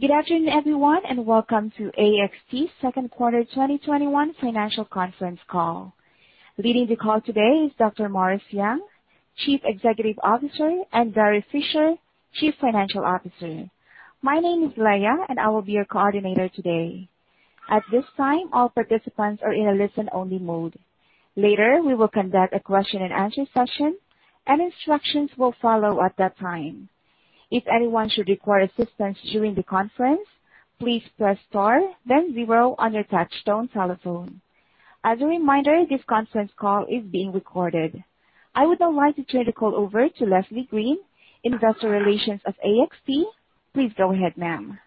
Good afternoon, everyone, welcome to AXT's second quarter 2021 financial conference call. Leading the call today is Dr. Morris Young, Chief Executive Officer, and Gary Fischer, Chief Financial Officer. My name is Leia, I will be your coordinator today. At this time, all participants are in a listen-only mode. Later, we will conduct a question and answer session, instructions will follow at that time. If anyone should require assistance during the conference, please press star then zero on your touchtone telephone. As a reminder, this conference call is being recorded. I would now like to turn the call over to Leslie Green, Investor Relations of AXT. Please go ahead, ma'am.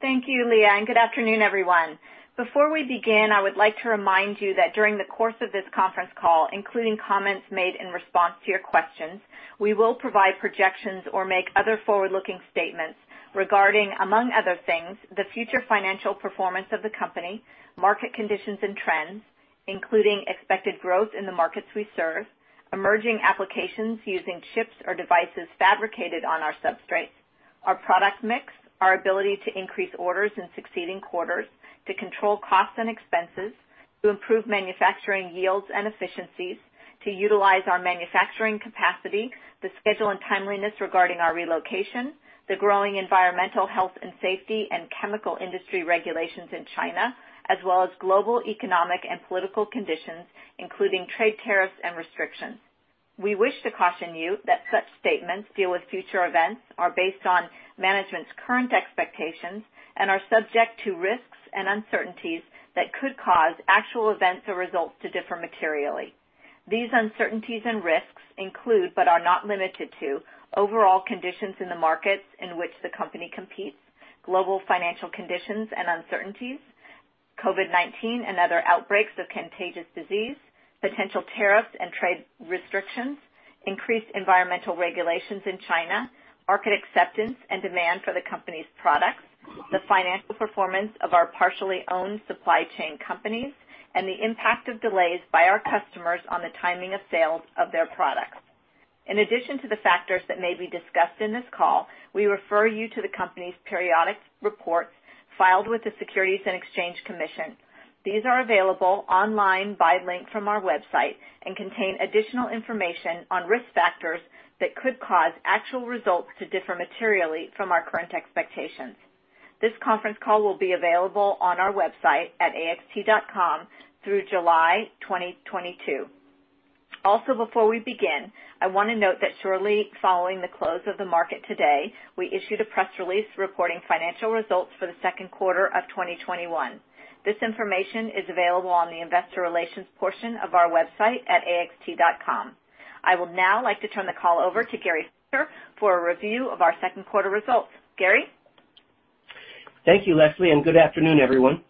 Thank you, Leia, good afternoon, everyone. Before we begin, I would like to remind you that during the course of this conference call, including comments made in response to your questions, we will provide projections or make other forward-looking statements regarding, among other things, the future financial performance of the company, market conditions and trends, including expected growth in the markets we serve, emerging applications using chips or devices fabricated on our substrates, our product mix, our ability to increase orders in succeeding quarters, to control costs and expenses, to improve manufacturing yields and efficiencies, to utilize our manufacturing capacity, the schedule and timeliness regarding our relocation, the growing environmental health and safety and chemical industry regulations in China, as well as global economic and political conditions, including trade tariffs and restrictions. We wish to caution you that such statements deal with future events, are based on management's current expectations, are subject to risks and uncertainties that could cause actual events or results to differ materially. These uncertainties and risks include, are not limited to, overall conditions in the markets in which the company competes, global financial conditions and uncertainties, COVID-19 and other outbreaks of contagious disease, potential tariffs and trade restrictions, increased environmental regulations in China, market acceptance, demand for the company's products, the financial performance of our partially owned supply chain companies, the impact of delays by our customers on the timing of sales of their products. In addition to the factors that may be discussed in this call, we refer you to the company's periodic reports filed with the Securities and Exchange Commission. These are available online by link from our website, contain additional information on risk factors that could cause actual results to differ materially from our current expectations. This conference call will be available on our website at axt.com through July 2022. Before we begin, I want to note that shortly following the close of the market today, we issued a press release reporting financial results for the second quarter of 2021. This information is available on the investor relations portion of our website at axt.com. I would now like to turn the call over to Gary Fischer for a review of our second quarter results. Gary? Thank you, Leslie, and good afternoon, everyone.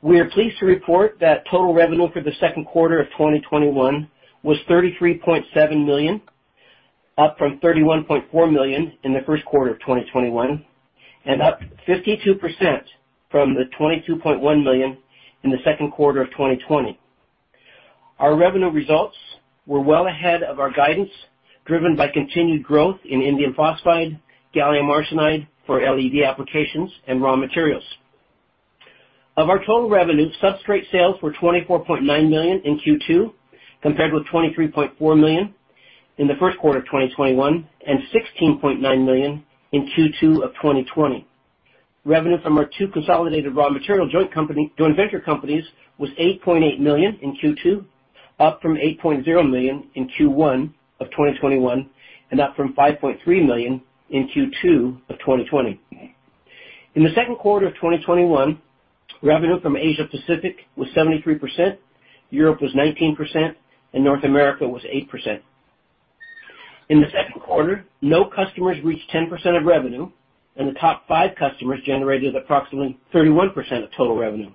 We are pleased to report that total revenue for the second quarter of 2021 was $33.7 million, up from $31.4 million in the first quarter of 2021, and up 52% from the $22.1 million in the second quarter of 2020. Our revenue results were well ahead of our guidance, driven by continued growth in indium phosphide, gallium arsenide for LED applications, and raw materials. Of our total revenue, substrate sales were $24.9 million in Q2, compared with $23.4 million in the first quarter of 2021 and $16.9 million in Q2 of 2020. Revenue from our two consolidated raw material joint venture companies was $8.8 million in Q2, up from $8.0 million in Q1 of 2021 and up from $5.3 million in Q2 of 2020. In the second quarter of 2021, revenue from Asia Pacific was 73%, Europe was 19%, and North America was 8%. In the second quarter, no customers reached 10% of revenue, and the top five customers generated approximately 31% of total revenue.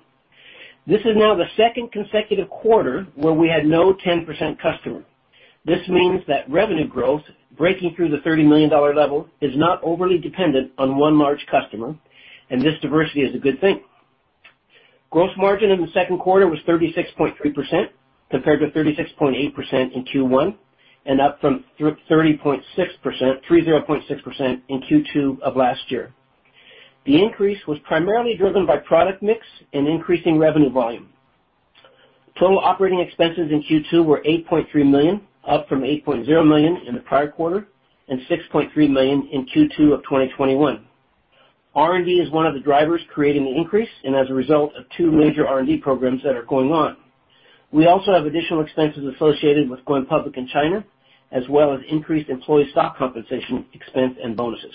This is now the second consecutive quarter where we had no 10% customer. This means that revenue growth breaking through the $30 million level is not overly dependent on one large customer, and this diversity is a good thing. Gross margin in the second quarter was 36.3%, compared to 36.8% in Q1 and up from 30.6% in Q2 of last year. The increase was primarily driven by product mix and increasing revenue volume. Total operating expenses in Q2 were $8.3 million, up from $8.0 million in the prior quarter and $6.3 million in Q2 of 2021. R&D is one of the drivers creating the increase and as a result of two major R&D programs that are going on. We also have additional expenses associated with going public in China, as well as increased employee stock compensation expense and bonuses.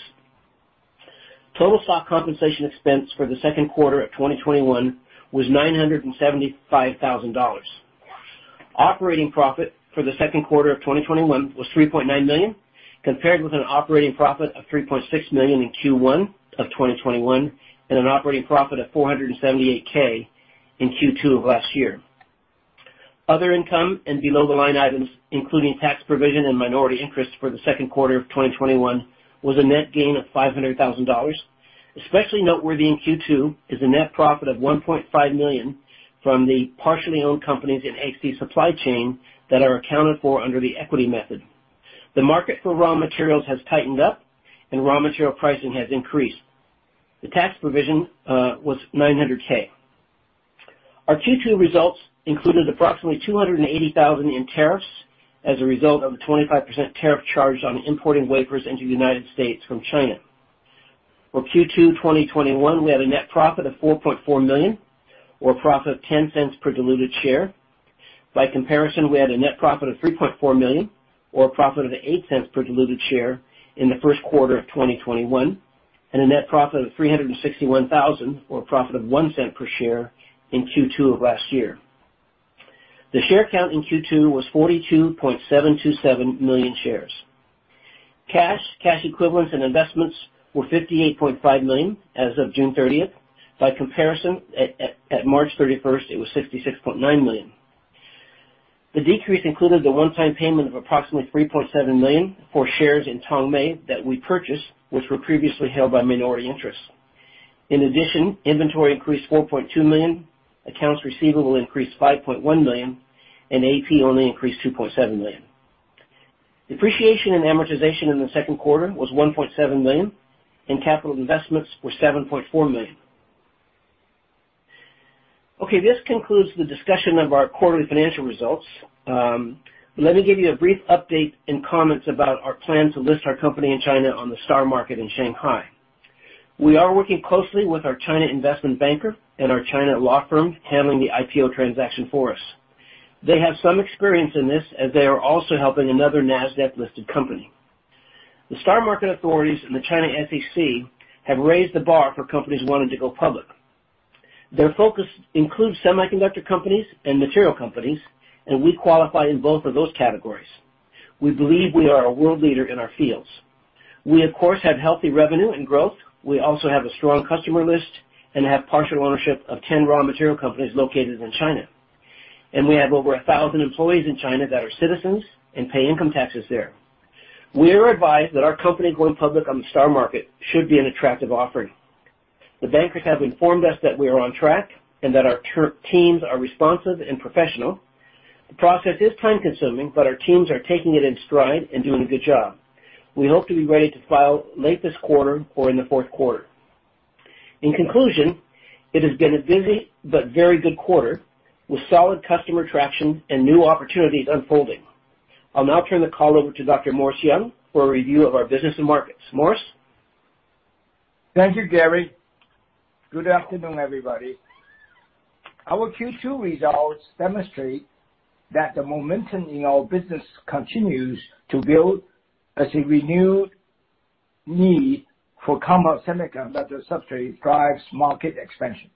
Total stock compensation expense for the second quarter of 2021 was $975,000. Operating profit for the second quarter of 2021 was $3.9 million, compared with an operating profit of $3.6 million in Q1 of 2021 and an operating profit of $478,000 in Q2 of last year. Other income and below-the-line items, including tax provision and minority interest for the second quarter of 2021, was a net gain of $500,000. Especially noteworthy in Q2 is a net profit of $1.5 million from the partially owned companies in AXT's supply chain that are accounted for under the equity method. The market for raw materials has tightened up and raw material pricing has increased. The tax provision was $900,000. Our Q2 results included approximately $280,000 in tariffs as a result of a 25% tariff charge on importing wafers into the United States from China. For Q2 2021, we had a net profit of $4.4 million, or a profit of $0.10 per diluted share. By comparison, we had a net profit of $3.4 million, or a profit of $0.08 per diluted share in the first quarter of 2021, and a net profit of $361,000, or a profit of $0.01 per share in Q2 of last year. The share count in Q2 was 42.727 million shares. Cash, cash equivalents and investments were $58.5 million as of June 30th. By comparison, at March 31st, it was $66.9 million. The decrease included the one-time payment of approximately $3.7 million for shares in Tongmei that we purchased, which were previously held by minority interests. Inventory increased $4.2 million, accounts receivable increased $5.1 million, AP only increased $2.7 million. Depreciation and amortization in the second quarter was $1.7 million, and capital investments were $7.4 million. Okay, this concludes the discussion of our quarterly financial results. Let me give you a brief update and comments about our plan to list our company in China on the STAR Market in Shanghai. We are working closely with our China investment banker and our China law firm handling the IPO transaction for us. They have some experience in this as they are also helping another NASDAQ-listed company. The STAR Market authorities and the China SEC have raised the bar for companies wanting to go public. Their focus includes semiconductor companies and material companies, we qualify in both of those categories. We believe we are a world leader in our fields. We, of course, have healthy revenue and growth. We also have a strong customer list and have partial ownership of 10 raw material companies located in China. We have over 1,000 employees in China that are citizens and pay income taxes there. We are advised that our company going public on the STAR Market should be an attractive offering. The bankers have informed us that we are on track and that our teams are responsive and professional. The process is time-consuming, our teams are taking it in stride and doing a good job. We hope to be ready to file late this quarter or in the fourth quarter. In conclusion, it has been a busy but very good quarter with solid customer traction and new opportunities unfolding. I'll now turn the call over to Dr. Morris Young for a review of our business and markets. Morris? Thank you, Gary. Good afternoon, everybody. Our Q2 results demonstrate that the momentum in our business continues to build as a renewed need for compound semiconductor substrate drives market expansion.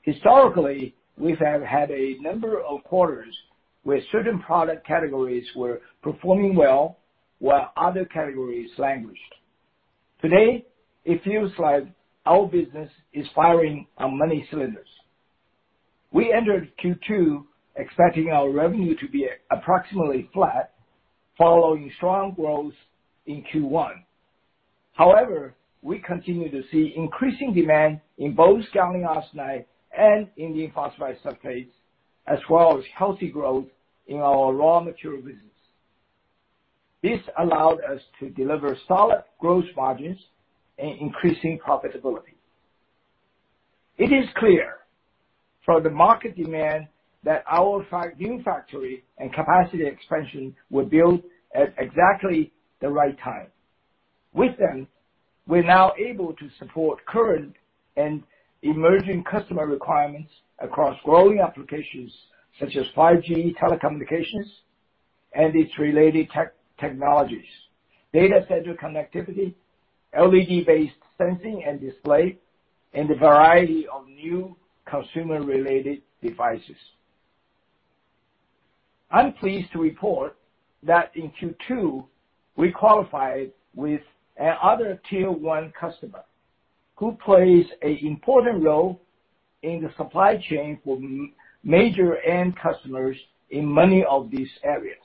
Historically, we have had a number of quarters where certain product categories were performing well, while other categories languished. Today, it feels like our business is firing on many cylinders. We entered Q2 expecting our revenue to be approximately flat following strong growth in Q1. We continue to see increasing demand in both gallium arsenide and indium phosphide substrates, as well as healthy growth in our raw material business. This allowed us to deliver solid growth margins and increasing profitability. It is clear from the market demand that our new factory and capacity expansion were built at exactly the right time. With them, we're now able to support current and emerging customer requirements across growing applications such as 5G telecommunications and its related technologies, data center connectivity, LED-based sensing and display, and a variety of new consumer-related devices. I'm pleased to report that in Q2, we qualified with another Tier 1 customer who plays an important role in the supply chain for major end customers in many of these areas.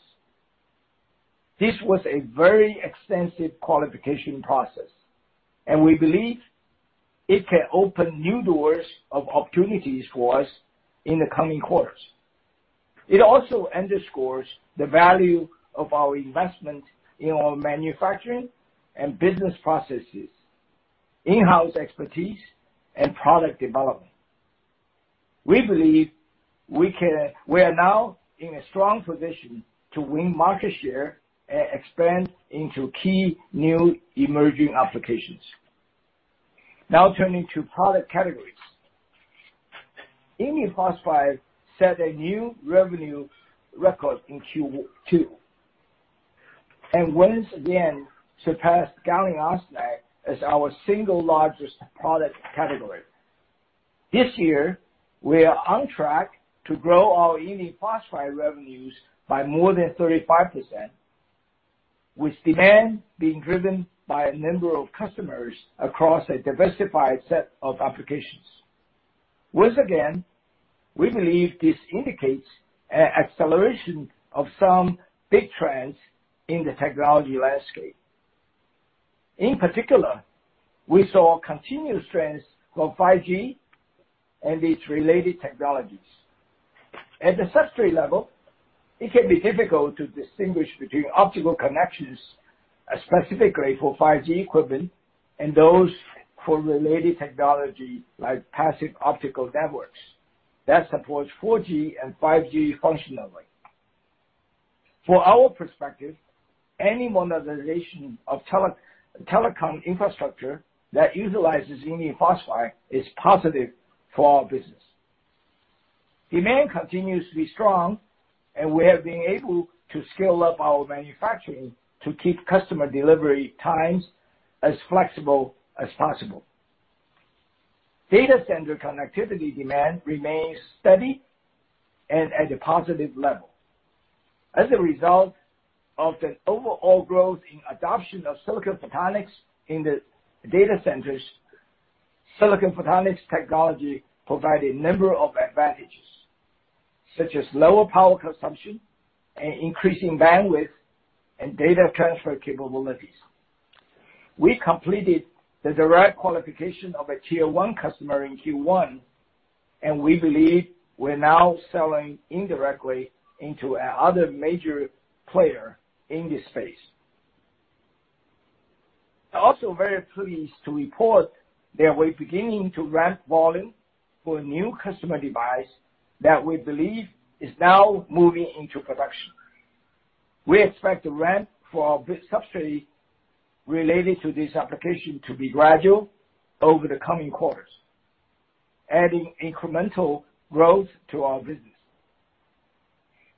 We believe this was a very extensive qualification process, and we believe it can open new doors of opportunities for us in the coming quarters. It also underscores the value of our investment in our manufacturing and business processes, in-house expertise, and product development. We believe we are now in a strong position to win market share and expand into key new emerging applications. Turning to product categories. Indium phosphide set a new revenue record in Q2 and once again surpassed gallium arsenide as our single largest product category. This year, we are on track to grow our indium phosphide revenues by more than 35%, with demand being driven by a number of customers across a diversified set of applications. Once again, we believe this indicates an acceleration of some big trends in the technology landscape. In particular, we saw continuous trends from 5G and its related technologies. At the substrate level, it can be difficult to distinguish between optical connections, specifically for 5G equipment and those for related technology, like Passive Optical Networks that supports 4G and 5G functionally. For our perspective, any monetization of telecom infrastructure that utilizes indium phosphide is positive for our business. Demand continues to be strong. We have been able to scale up our manufacturing to keep customer delivery times as flexible as possible. Data center connectivity demand remains steady and at a positive level. As a result of the overall growth in adoption of silicon photonics in the data centers, silicon photonics technology provide a number of advantages, such as lower power consumption and increasing bandwidth and data transfer capabilities. We completed the direct qualification of a Tier 1 customer in Q1. We believe we're now selling indirectly into a other major player in this space. I'm also very pleased to report that we're beginning to ramp volume for a new customer device that we believe is now moving into production. We expect the ramp for our substrate related to this application to be gradual over the coming quarters, adding incremental growth to our business.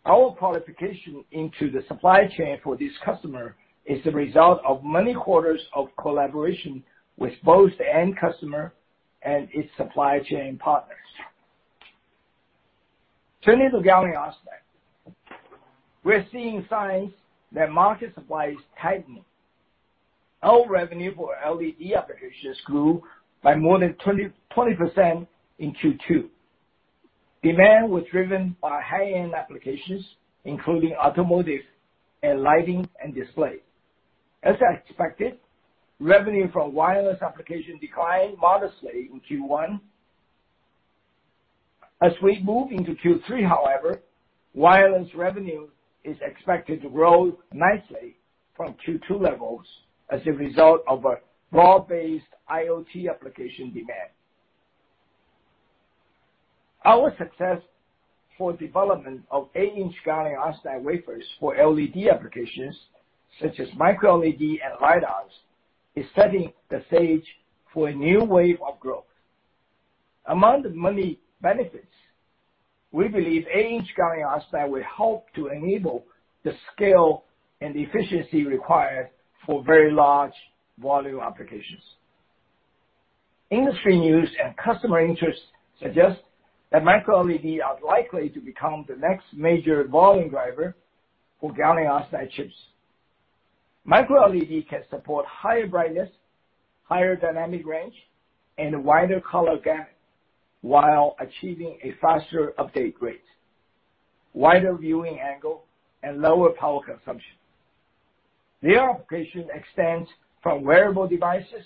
Our qualification into the supply chain for this customer is the result of many quarters of collaboration with both the end customer and its supply chain partners. Turning to gallium arsenide. We're seeing signs that market supply is tightening. Our revenue for LED applications grew by more than 20% in Q2. Demand was driven by high-end applications, including automotive and lighting and display. As expected, revenue from wireless application declined modestly in Q1. We move into Q3, however, wireless revenue is expected to grow nicely from Q2 levels as a result of a broad-based IoT application demand. Our success for development of 8-inch gallium arsenide wafers for LED applications such as micro-LED and lidars, is setting the stage for a new wave of growth. Among the many benefits, we believe 8-inch gallium arsenide will help to enable the scale and efficiency required for very large volume applications. Industry news and customer interest suggest that micro-LED are likely to become the next major volume driver for gallium arsenide chips. Micro-LED can support higher brightness, higher dynamic range, and wider color gamut, while achieving a faster update rate, wider viewing angle, and lower power consumption. Their application extends from wearable devices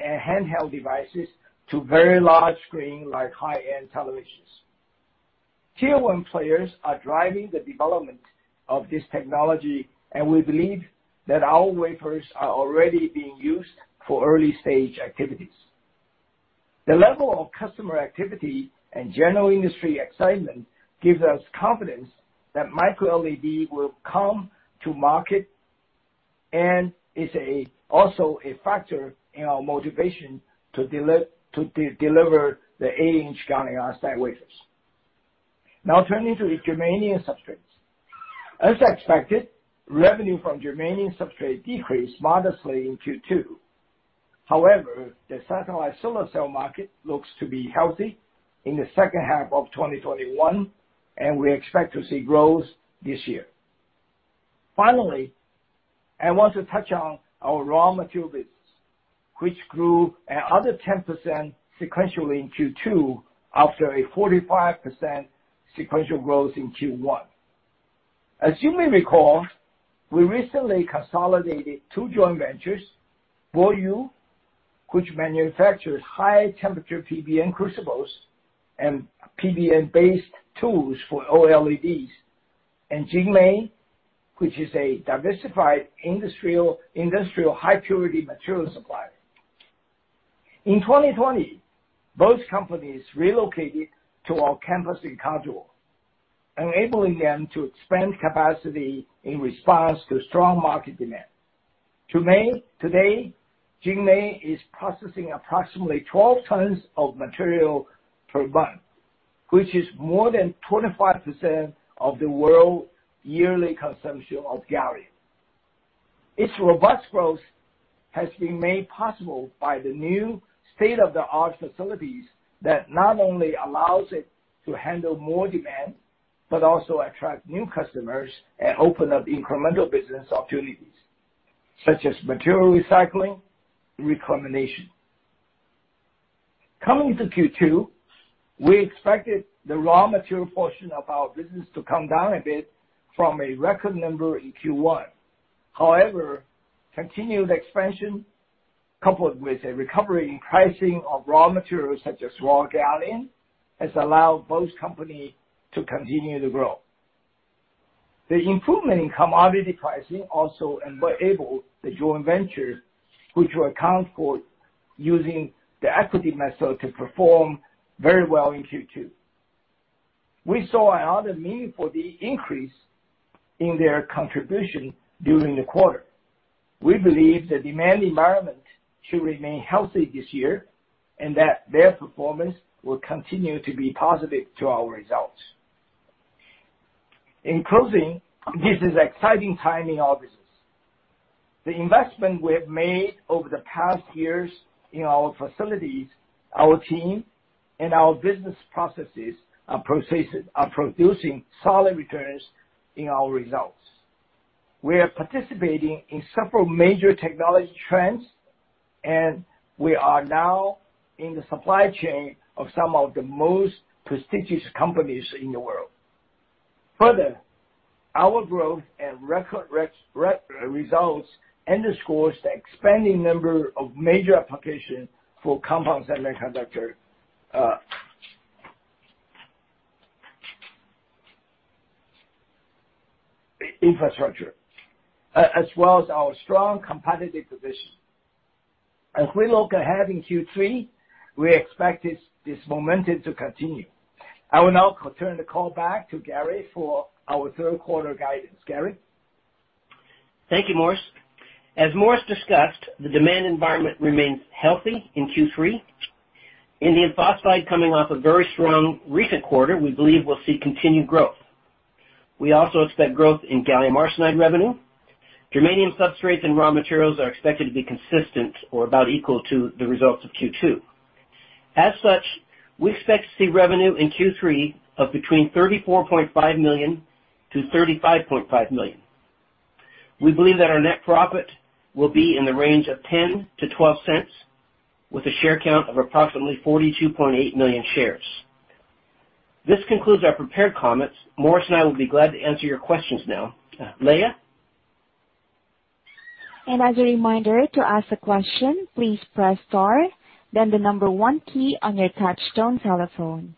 and handheld devices to very large screen, like high-end televisions. Tier 1 players are driving the development of this technology, and we believe that our wafers are already being used for early stage activities. The level of customer activity and general industry excitement gives us confidence that micro-LED will come to market, and is also a factor in our motivation to deliver the 8-inch gallium arsenide wafers. Now, turning to the germanium substrates. The satellite solar cell market looks to be healthy in the second half of 2021, and we expect to see growth this year. I want to touch on our raw material business, which grew another 10% sequentially in Q2 after a 45% sequential growth in Q1. You may recall, we recently consolidated two joint ventures, BoYu, which manufactures high temperature pBN crucibles and pBN-based tools for OLEDs, and Jingmei, which is a diversified industrial high purity material supplier. Both companies relocated to our campus in Caldwell, enabling them to expand capacity in response to strong market demand. Jingmei is processing approximately 12 tons of material per month, which is more than 25% of the world yearly consumption of gallium. Its robust growth has been made possible by the new state-of-the-art facilities that not only allows it to handle more demand, but also attract new customers and open up incremental business opportunities, such as material recycling, recombination. We expected the raw material portion of our business to come down a bit from a record number in Q1. Continued expansion, coupled with a recovery in pricing of raw materials such as raw gallium, has allowed both companies to continue to grow. The improvement in commodity pricing also enabled the joint venture, which we account for using the equity method, to perform very well in Q2. We saw another meaningful increase in their contribution during the quarter. We believe the demand environment should remain healthy this year, and that their performance will continue to be positive to our results. This is an exciting time in our business. The investment we have made over the past years in our facilities, our team, and our business processes are producing solid returns in our results. We are participating in several major technology trends, and we are now in the supply chain of some of the most prestigious companies in the world. Our growth and record results underscores the expanding number of major applications for compounds and semiconductor infrastructure, as well as our strong competitive position. We look ahead in Q3, we expect this momentum to continue. I will now turn the call back to Gary for our third quarter guidance. Gary? Thank you, Morris. As Morris discussed, the demand environment remains healthy in Q3. Indium phosphide, coming off a very strong recent quarter, we believe will see continued growth. We also expect growth in gallium arsenide revenue. Germanium substrates and raw materials are expected to be consistent or about equal to the results of Q2. As such, we expect to see revenue in Q3 of between $34.5 million-$35.5 million. We believe that our net profit will be in the range of $0.10-$0.12, with a share count of approximately 42.8 million shares. This concludes our prepared comments. Morris and I will be glad to answer your questions now. Leia? As a reminder, to ask a question, please press star, then the number one key on your touchtone telephone.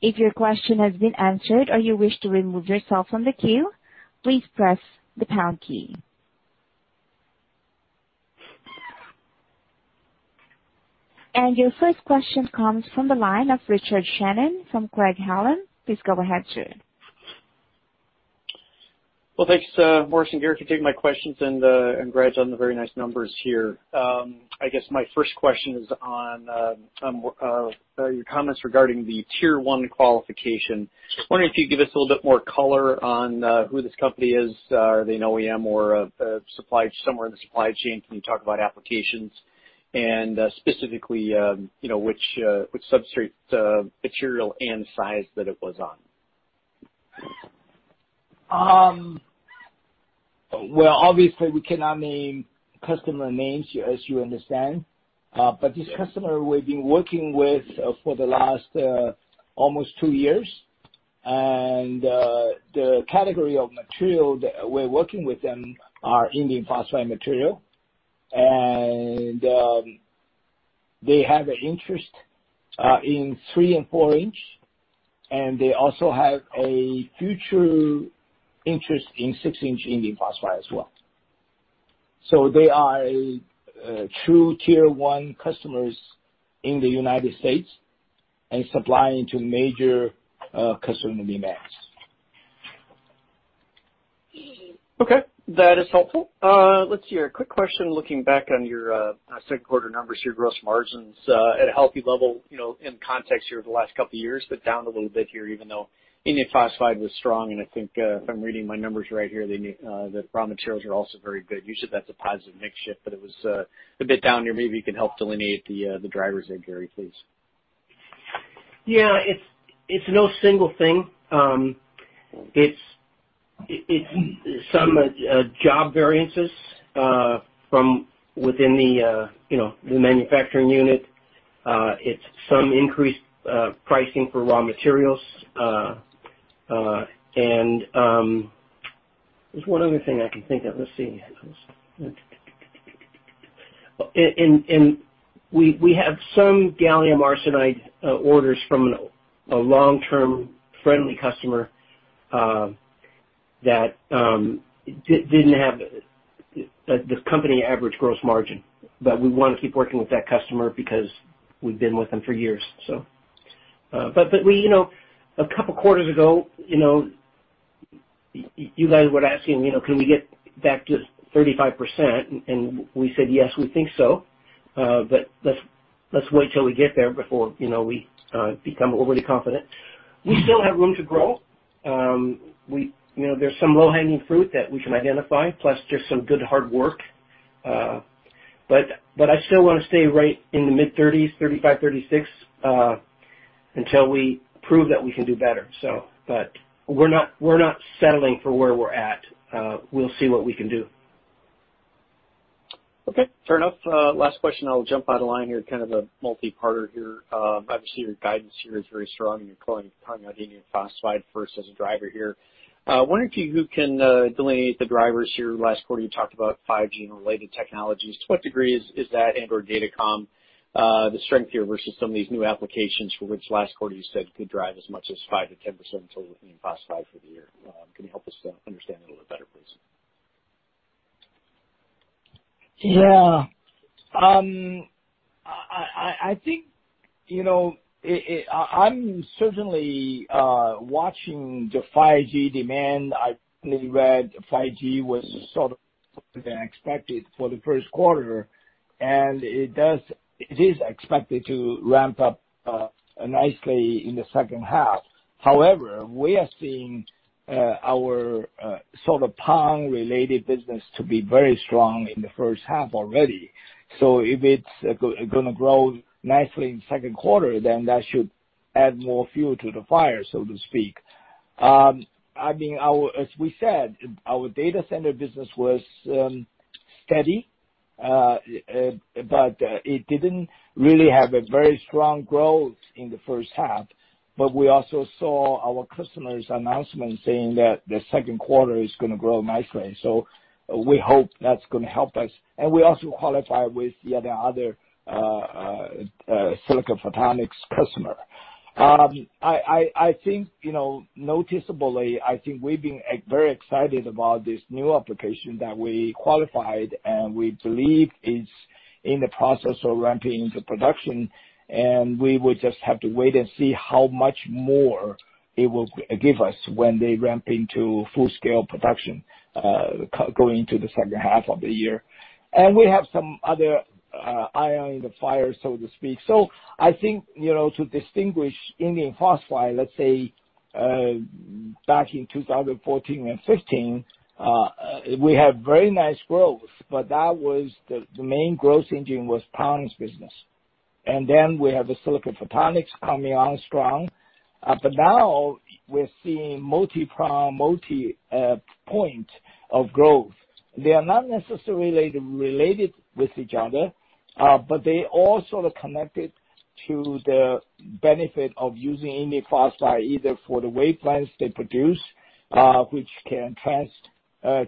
If your question has been answered or you wish to remove yourself from the queue, please press the pound key. Your first question comes from the line of Richard Shannon from Craig-Hallum. Please go ahead, sir. Well, thanks, Morris and Gary, for taking my questions, and congrats on the very nice numbers here. I guess my first question is on your comments regarding the tier 1 qualification. I was wondering if you could give us a little bit more color on who this company is. Are they an OEM or somewhere in the supply chain? Can you talk about applications and specifically which substrate material and size that it was on? Well, obviously, we cannot name customer names, as you understand. This customer we've been working with for the last almost two years, and the category of material that we're working with them are indium phosphide material. They have an interest in three- and four-inch, and they also have a future interest in six-inch indium phosphide as well. They are true tier 1 customers in the U.S. and supplying to major consumer names. Okay. That is helpful. Let's see here. A quick question, looking back on your Q2 numbers, your gross margins at a healthy level in context here over the last couple of years, but down a little bit here, even though indium phosphide was strong, and I think if I'm reading my numbers right here, the raw materials are also very good. You said that's a positive mix shift, but it was a bit down there. Maybe you can help delineate the drivers there, Gary, please. Yeah. It's no single thing. It's some job variances from within the manufacturing unit. It's some increased pricing for raw materials. There's one other thing I can think of. Let's see. We have some gallium arsenide orders from a long-term friendly customer that didn't have the company average gross margin. We want to keep working with that customer because we've been with them for years. A couple of quarters ago, you guys were asking, "Can we get back to 35%?" We said, "Yes, we think so, but let's wait till we get there before we become overly confident." We still have room to grow. There's some low-hanging fruit that we can identify, plus just some good hard work. I still want to stay right in the mid-30s, 35, 36, until we prove that we can do better. We're not settling for where we're at. We'll see what we can do. Okay, fair enough. Last question, I'll jump out of line here, kind of a multi-parter here. Obviously, your guidance here is very strong and you're calling indium phosphide first as a driver here. Wondering if you can delineate the drivers here. Last quarter, you talked about 5G and related technologies. To what degree is that and/or datacom the strength here versus some of these new applications for which last quarter you said could drive as much as 5%-10% total indium phosphide for the year? Can you help us understand that a little better, please? Yeah. I think I'm certainly watching the 5G demand. I recently read 5G was sort of than expected for the Q1, it is expected to ramp up nicely in the 2nd half. We are seeing our sort of PON-related business to be very strong in the 1st half already. If it's going to grow nicely in the Q2, that should add more fuel to the fire, so to speak. As we said, our data center business was steady, it didn't really have a very strong growth in the 1st half. We also saw our customer's announcement saying that the Q2 is going to grow nicely. We hope that's going to help us. We also qualify with the other silicon photonics customer. Noticeably, I think we've been very excited about this new application that we qualified, we believe it's in the process of ramping into production, we will just have to wait and see how much more it will give us when they ramp into full-scale production going into the 2nd half of the year. We have some other iron in the fire, so to speak. I think to distinguish indium phosphide, let's say back in 2014 and 2015, we had very nice growth, the main growth engine was PON business. We have the silicon photonics coming on strong. Now we're seeing multi-point of growth. They are not necessarily related with each other, they all sort of connected to the benefit of using indium phosphide, either for the wavelengths they produce, which can transfer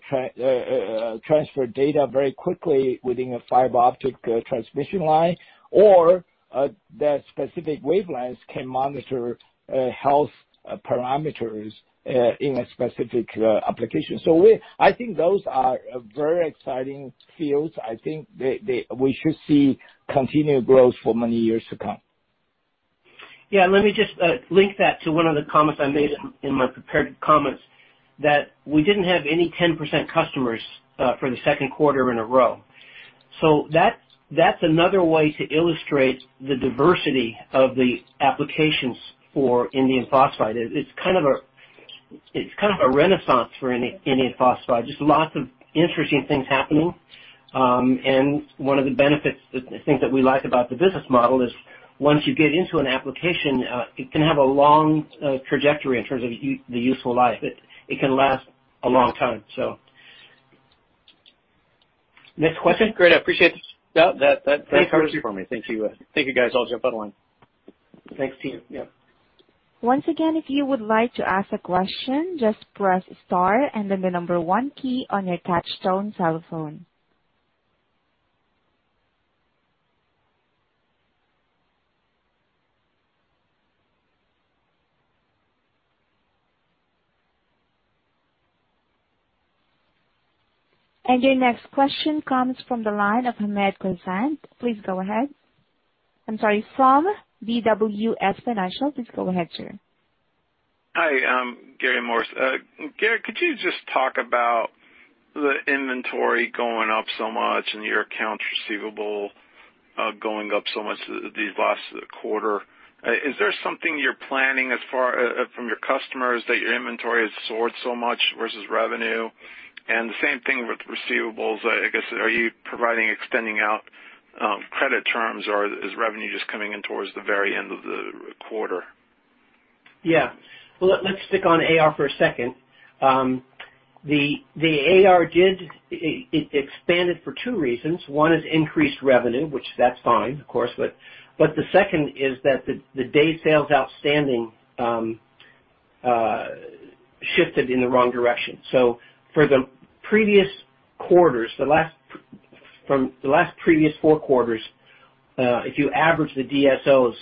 data very quickly within a fiber optic transmission line, or their specific wavelengths can monitor health parameters in a specific application. I think those are very exciting fields. I think we should see continued growth for many years to come. Yeah, let me just link that to one of the comments I made in my prepared comments, that we didn't have any 10% customers for the Q2 in a row. That's another way to illustrate the diversity of the applications for indium phosphide. It's kind of a renaissance for indium phosphide. Just lots of interesting things happening. One of the benefits, the things that we like about the business model is once you get into an application, it can have a long trajectory in terms of the useful life. It can last a long time. Next question? Great. I appreciate that coverage for me. Thank you. Thank you, guys. I'll jump out of the line. Thanks, team. Yep. Once again, if you would like to ask a question, just press star and then the number one key on your touchtone cell phone. Your next question comes from the line of Ahmed Ghossein. Please go ahead. I'm sorry, from BWS Financial. Please go ahead, sir. Hi, Gary Fischer. Garrett, could you just talk about the inventory going up so much and your accounts receivable going up so much these last quarter? Is there something you're planning as far from your customers that your inventory has soared so much versus revenue? The same thing with receivables. I guess, are you providing extending out credit terms, or is revenue just coming in towards the very end of the quarter? Well, let's stick on AR for a second. The AR expanded for two reasons. One is increased revenue, which that's fine, of course, but the second is that the day sales outstanding shifted in the wrong direction. For the previous quarters, from the last previous four quarters, if you average the DSOs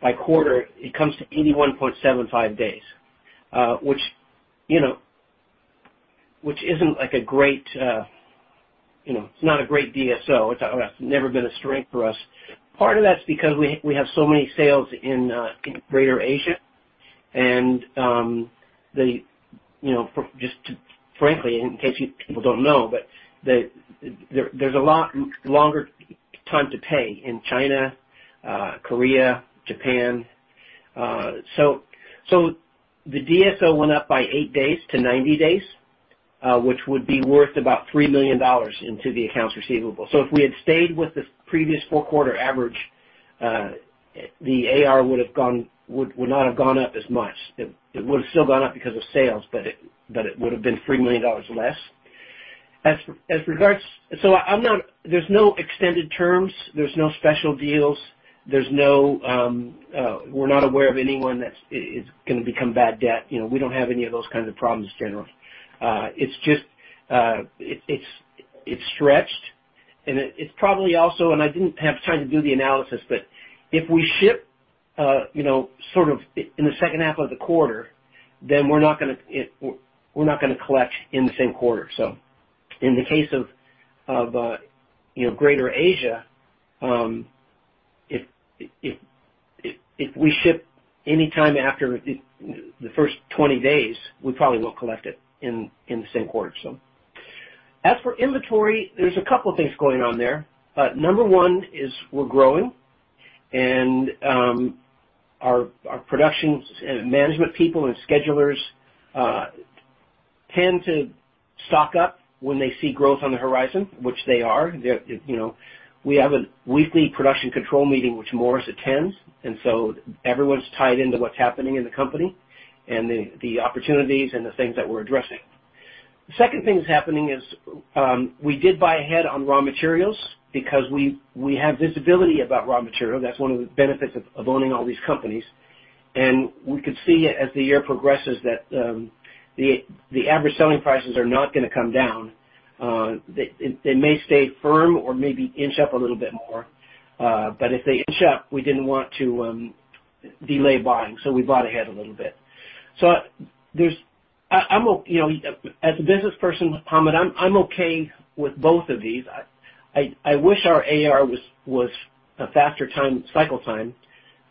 by quarter, it comes to 81.75 days, which isn't a great DSO. It's never been a strength for us. Part of that's because we have so many sales in Greater Asia, and frankly, in case you people don't know, there's a lot longer time to pay in China, Korea, Japan. The DSO went up by 8 days to 90 days, which would be worth about $3 million into the accounts receivable. If we had stayed with the previous four-quarter average, the AR would not have gone up as much. It would have still gone up because of sales, but it would have been $3 million less. There's no extended terms. There's no special deals. We're not aware of anyone that is going to become bad debt. We don't have any of those kinds of problems, generally. It's stretched, and it's probably also, and I didn't have time to do the analysis, if we ship in the second half of the quarter, we're not going to collect in the same quarter. In the case of Greater Asia, if we ship anytime after the first 20 days, we probably won't collect it in the same quarter. As for inventory, there's a couple things going on there. Number one is we're growing, and our production management people and schedulers tend to stock up when they see growth on the horizon, which they are. We have a weekly production control meeting, which Morris attends, everyone's tied into what's happening in the company and the opportunities and the things that we're addressing. The second thing that's happening is we did buy ahead on raw materials because we have visibility about raw material. That's one of the benefits of owning all these companies. We could see as the year progresses that the average selling prices are not going to come down. They may stay firm or maybe inch up a little bit more. If they inch up, we didn't want to delay buying, we bought ahead a little bit. As a business person, Mohammed, I'm okay with both of these. I wish our AR was a faster cycle time.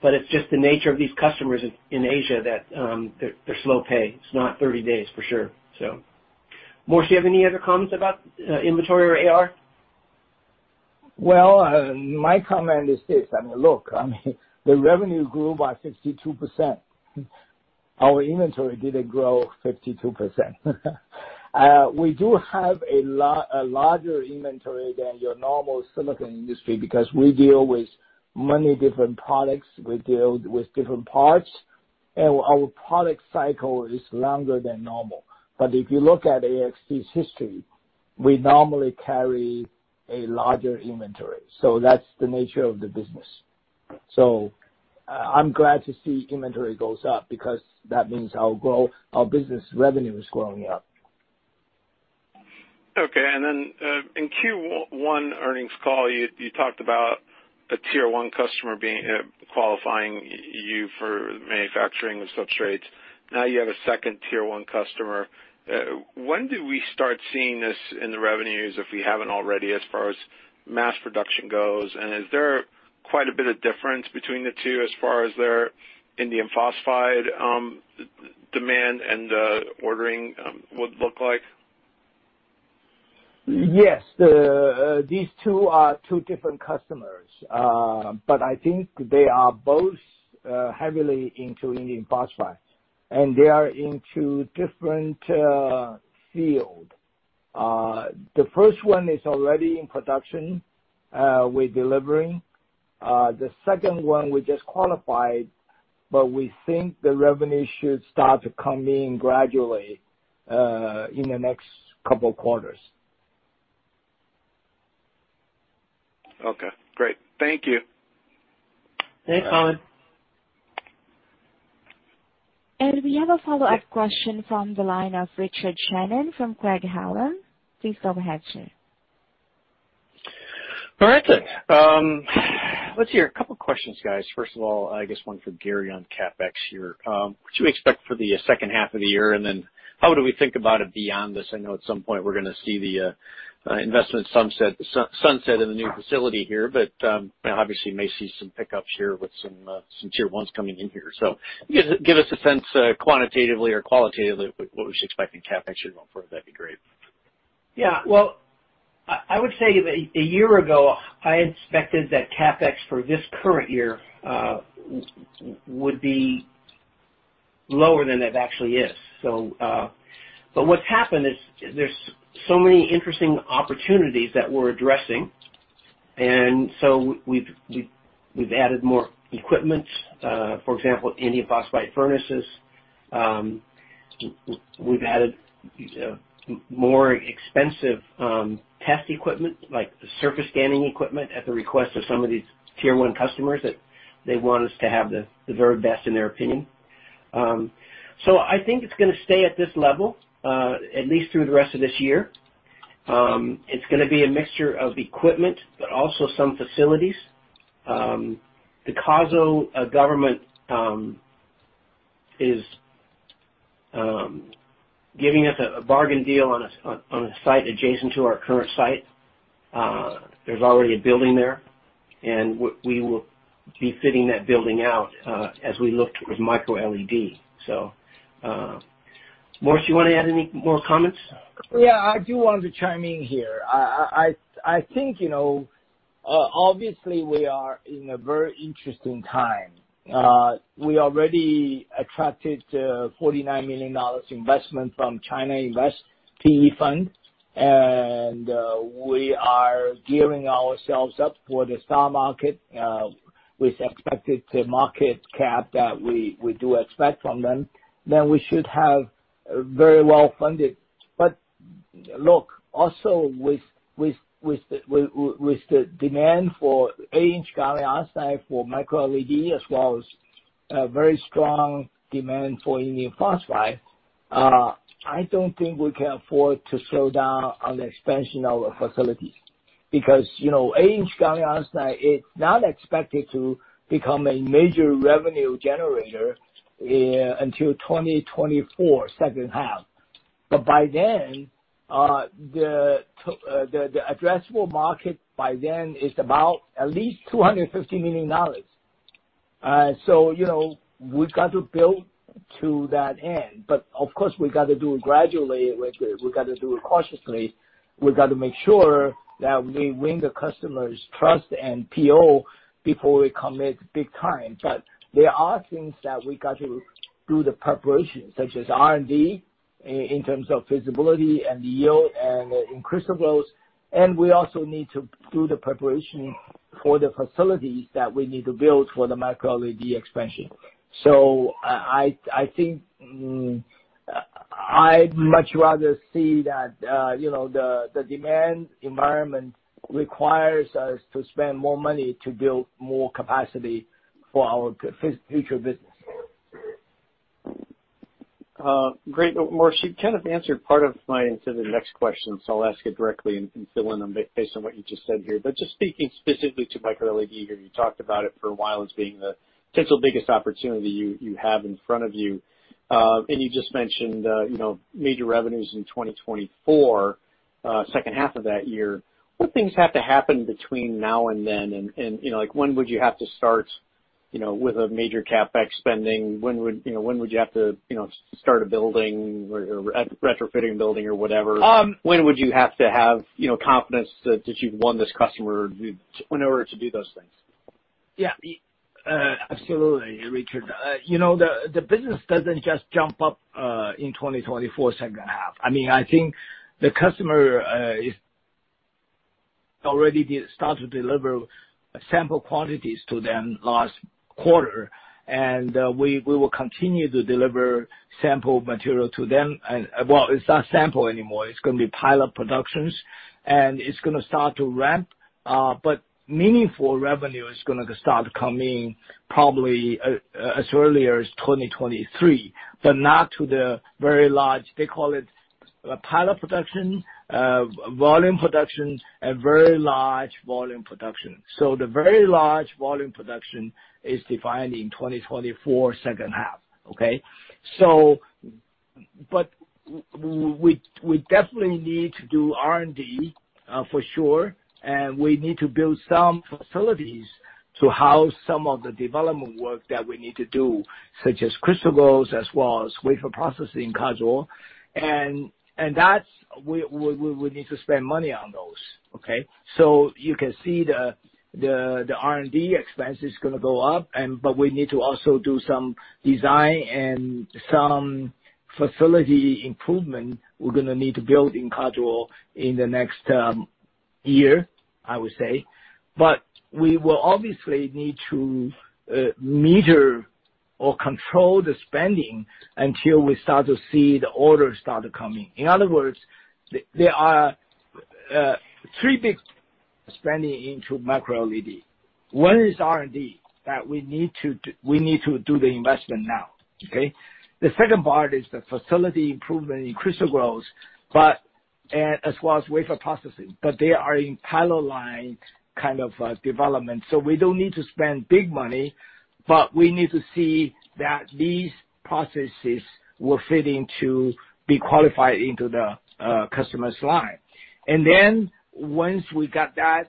It's just the nature of these customers in Asia that they're slow pay. It's not 30 days, for sure. Morris, you have any other comments about inventory or AR? My comment is this. The revenue grew by 62%. Our inventory didn't grow 52%. We do have a larger inventory than your normal silicon industry because we deal with many different products. We deal with different parts, and our product cycle is longer than normal. If you look at AXT's history, we normally carry a larger inventory, that's the nature of the business. I'm glad to see inventory goes up because that means our business revenue is going up. Okay. In Q1 earnings call, you talked about a Tier 1 customer qualifying you for manufacturing of substrates. Now you have a second Tier 1 customer. When do we start seeing this in the revenues, if we haven't already, as far as mass production goes, and is there quite a bit of difference between the two as far as their indium phosphide demand and the ordering would look like? Yes. These two are two different customers. I think they are both heavily into indium phosphide, and they are into different field. The first one is already in production. We're delivering. The second one, we just qualified, but we think the revenue should start to come in gradually in the next couple quarters. Okay, great. Thank you. Thanks, Mohammed. We have a follow-up question from the line of Richard Shannon from Craig-Hallum. Please go ahead, sir. Richard. Let's hear a couple of questions, guys. First of all, I guess one for Gary on CapEx here. What do you expect for the second half of the year, and then how do we think about it beyond this? I know at some point, we're going to see the investment sunset in the new facility here, but obviously may see some pickups here with some Tier 1s coming in here. Give us a sense, quantitatively or qualitatively, what we should expect in CapEx going forward, that'd be great. Well, I would say that a year ago, I expected that CapEx for this current year would be lower than it actually is. What's happened is there's so many interesting opportunities that we're addressing, and so we've added more equipment. For example, indium phosphide furnaces. We've added more expensive test equipment, like surface scanning equipment, at the request of some of these Tier 1 customers that they want us to have the very best in their opinion. I think it's going to stay at this level, at least through the rest of this year. It's going to be a mixture of equipment, but also some facilities. The Kazakhstan government is giving us a bargain deal on a site adjacent to our current site. There's already a building there, and we will be fitting that building out as we look with micro-LED. Morris, you want to add any more comments? Yeah, I do want to chime in here. I think, obviously, we are in a very interesting time. We already attracted $49 million investment from China Invest PE fund. We are gearing ourselves up for the STAR Market, with expected market cap that we do expect from them. We should have very well-funded. Look, also with the demand for eight-inch gallium arsenide for micro-LED, as well as very strong demand for indium phosphide, I don't think we can afford to slow down on the expansion of our facilities. Eight-inch gallium arsenide is not expected to become a major revenue generator until 2024, second half. The addressable market by then is about at least $250 million. We've got to build to that end. Of course, we got to do it gradually. We got to do it cautiously. We got to make sure that we win the customer's trust and PO before we commit big time. There are things that we got to do the preparation, such as R&D, in terms of feasibility and yield, and in crystal growth. We also need to do the preparation for the facilities that we need to build for the micro-LED expansion. I think, I'd much rather see that the demand environment requires us to spend more money to build more capacity for our future business. Great. Morris, you kind of answered part of my into the next question. I'll ask it directly and fill in based on what you just said here. Just speaking specifically to micro-LED here, you talked about it for a while as being the potential biggest opportunity you have in front of you. You just mentioned major revenues in 2024, second half of that year. What things have to happen between now and then? When would you have to start with a major CapEx spending? When would you have to start a building or retrofitting a building or whatever? When would you have to have confidence that you've won this customer in order to do those things? Yeah. Absolutely, Richard. The business doesn't just jump up in 2024, second half. I think the customer is already start to deliver sample quantities to them last quarter. We will continue to deliver sample material to them. Well, it's not sample anymore. It's going to be pilot productions, and it's going to start to ramp. Meaningful revenue is going to start coming probably as early as 2023, but not to the very large, they call it pilot production, volume production, and very large volume production. The very large volume production is defined in 2024, second half, okay? We definitely need to do R&D, for sure. We need to build some facilities to house some of the development work that we need to do, such as crystal growth, as well as wafer processing in Caldwell. That, we need to spend money on those, okay? You can see the R&D expense is going to go up, we need to also do some design and some facility improvement we're going to need to build in Caldwell in the next year, I would say. We will obviously need to measure or control the spending until we start to see the orders start coming. In other words, there are three big spending into micro-LED. One is R&D, that we need to do the investment now, okay? The second part is the facility improvement in crystal growth, as well as wafer processing. They are in pilot line kind of development. We don't need to spend big money, but we need to see that these processes will fit in to be qualified into the customer's line. Once we got that,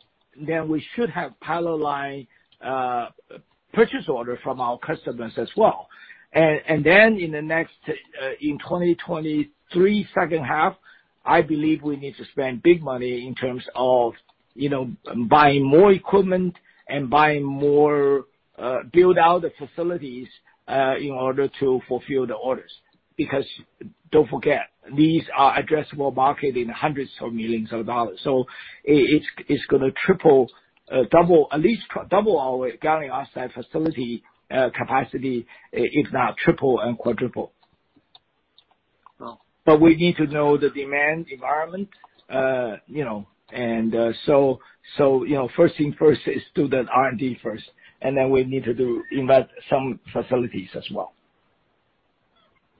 we should have pilot line purchase order from our customers as well. In 2023, second half, I believe we need to spend big money in terms of buying more equipment and buying more build out the facilities in order to fulfill the orders. Because don't forget, these are addressable market in hundreds of millions of dollars. It's going to triple, at least double our gallium arsenide facility capacity, if not triple and quadruple. Wow. We need to know the demand environment. First thing first is do that R&D first, we need to do invest some facilities as well.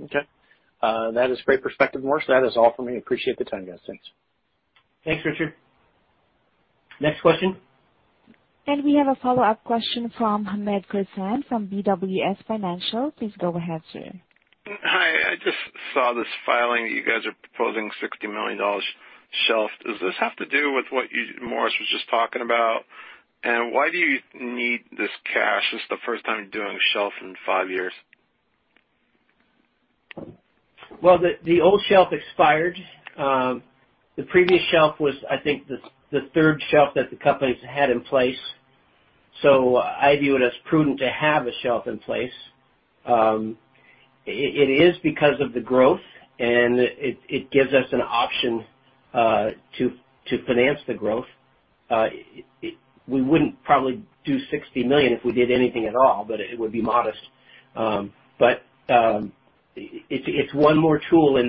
Okay. That is great perspective, Morris. That is all for me. Appreciate the time, guys. Thanks. Thanks, Richard. Next question. We have a follow-up question from Ahmed Ghossein from BWS Financial. Please go ahead, sir. Hi, I just saw this filing that you guys are proposing $60 million shelf. Does this have to do with what Morris was just talking about? Why do you need this cash? This is the first time you're doing a shelf in five years. Well, the old shelf expired. The previous shelf was, I think, the third shelf that the company's had in place. I view it as prudent to have a shelf in place. It is because of the growth, and it gives us an option to finance the growth. We wouldn't probably do $60 million if we did anything at all, but it would be modest. It's one more tool in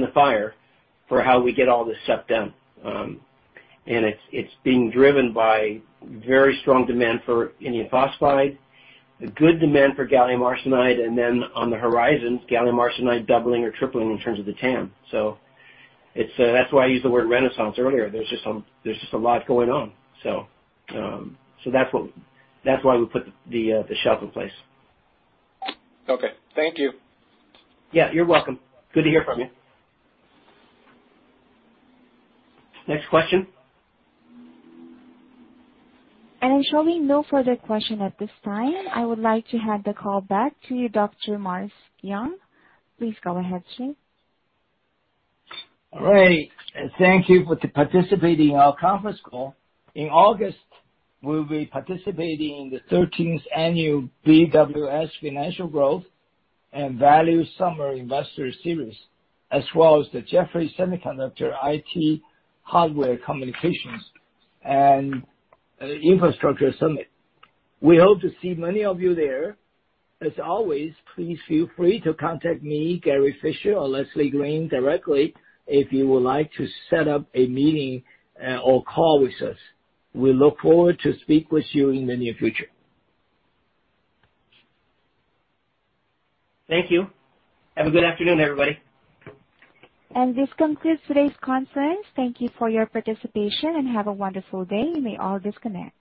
the fire for how we get all this stuff done. It's being driven by very strong demand for indium phosphide, a good demand for gallium arsenide, and then on the horizon, gallium arsenide doubling or tripling in terms of the TAM. That's why I used the word renaissance earlier. There's just a lot going on. That's why we put the shelf in place. Okay. Thank you. Yeah, you're welcome. Good to hear from you. Next question. Showing no further question at this time, I would like to hand the call back to you, Dr. Morris Young. Please go ahead, Shane. All right. Thank you for participating in our conference call. In August, we'll be participating in the 13th Annual BWS Financial Growth and Value Summer Investor Series, as well as the Jefferies Semiconductor IT Hardware Communications and Infrastructure Summit. We hope to see many of you there. As always, please feel free to contact me, Gary Fischer, or Leslie Green directly if you would like to set up a meeting or call with us. We look forward to speak with you in the near future. Thank you. Have a good afternoon, everybody. This concludes today's conference. Thank you for your participation, and have a wonderful day. You may all disconnect.